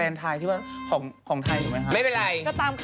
แล้วคุณอะรู้